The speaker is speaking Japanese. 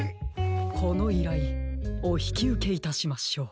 このいらいおひきうけいたしましょう。